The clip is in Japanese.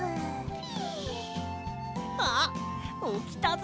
ピ！あっおきたぞ。